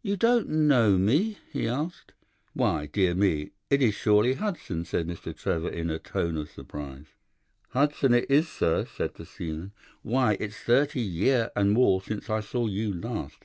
"'You don't know me?' he asked. "'Why, dear me, it is surely Hudson,' said Mr. Trevor in a tone of surprise. "'Hudson it is, sir,' said the seaman. 'Why, it's thirty year and more since I saw you last.